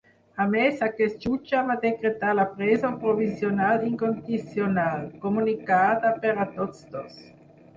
A més, aquest jutge va decretar la presó provisional incondicional, comunicada, per a tots dos.